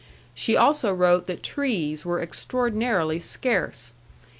She also wrote that trees were extraordinarily scarce.